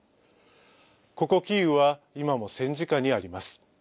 ここキーウは、今も戦時下にあります。